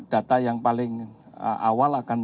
data yang paling awal akan